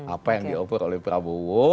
apa yang di over oleh prabowo